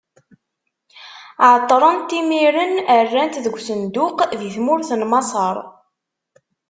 Ɛeṭṭren-t, imiren rran-t deg usenduq, di tmurt n Maṣer.